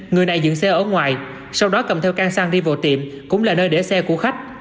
người này dựng xe ở ngoài sau đó cầm theo ca sang đi vào tiệm cũng là nơi để xe của khách